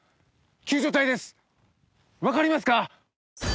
救助隊です分かりますか？